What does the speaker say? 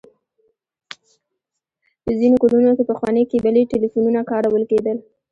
په ځينې کورونو کې پخواني کيبلي ټليفونونه کارول کېدل.